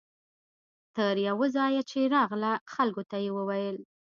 تر یوه ځایه چې راغله خلکو ته یې وویل.